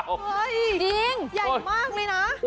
จริงใหญ่มากเลยนะ